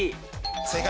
正解。